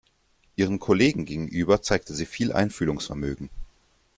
Ihren Kollegen gegenüber zeigte sie viel Einfühlungsvermögen.